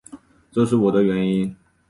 这是我的原因